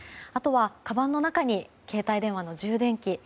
あとは、かばんの中に携帯電話の充電器